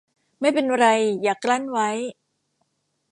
ไม่เป็นไรอย่ากลั้นไว้ !